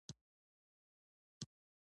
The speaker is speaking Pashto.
ځینې خبریالان د ټولنې د اصلاح هڅه کوي.